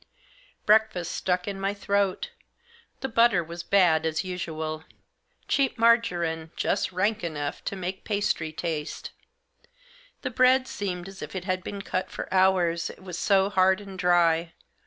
Breakfast stuck in my throat. The butter was bad as usual — cheap margarine just rank enough to make pastry taste. The bread seemed as if it had been cut for hours, it was so hard and dry.